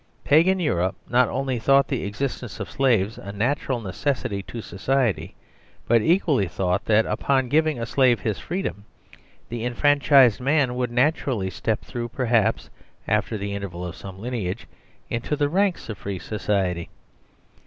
Pagan Europe not only thought the existence of Slaves a natural necessity to society, but equally thought that upon giving a Slave his freedom the enfranchised man would naturally step, though perhaps after the interval of some lineage, into the ranks of free society.